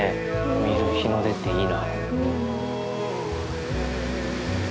見る日の出っていいな。